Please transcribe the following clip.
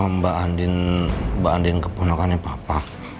mbak andin mbak andin kepunakannya papa